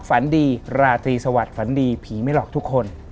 ฝันดีราตรีสวัสดิฝันดีผีไม่หลอกทุกคน